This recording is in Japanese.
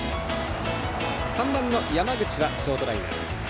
３番の山口はショートライナー。